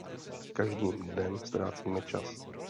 Každým dnem ztrácíme čas.